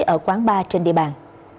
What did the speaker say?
ở quán bar trên địa bàn